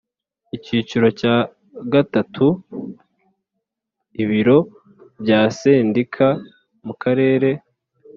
Icyiciro cya gatatu ibiro bya sendika mu Karere